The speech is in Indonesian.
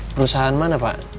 perusahaan mana pak